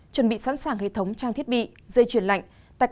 chuẩn bị sẵn sàng hệ thống trang thiết bị dây chuyển lạnh